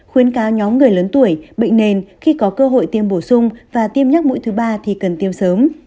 khuyến cáo nhóm người lớn tuổi bệnh nền khi có cơ hội tiêm bổ sung và tiêm nhắc mũi thứ ba thì cần tiêm sớm